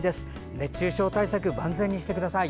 熱中症対策を万全にしてください。